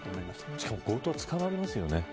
しかも強盗は捕まりますよね。